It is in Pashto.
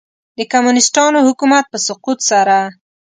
د کمونیسټانو حکومت په سقوط سره.